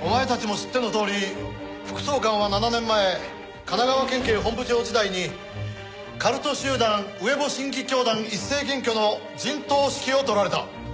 お前たちも知ってのとおり副総監は７年前神奈川県警本部長時代にカルト集団ウエボ神義教団一斉検挙の陣頭指揮を執られた。